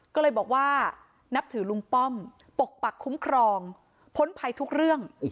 ก็เลยบอกว่านับถือลุงป้อมปกปักคุ้มครองพ้นภัยทุกเรื่อง